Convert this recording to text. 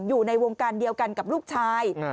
อยู่ในวงการเดียวกันกับลูกชาย